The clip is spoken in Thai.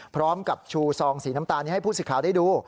พร้อมกับชูซองสีน้ำตาลนี้ให้ผู้สิทธิ์ได้ดู